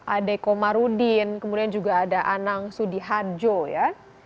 ade komarudin kemudian juga ada anang sudiharjo ya